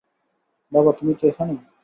বাবা, তুমি কি এখানে?